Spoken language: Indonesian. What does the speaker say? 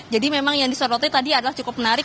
memang yang disoroti tadi adalah cukup menarik